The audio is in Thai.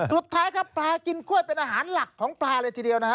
สุดท้ายครับปลากินกล้วยเป็นอาหารหลักของปลาเลยทีเดียวนะฮะ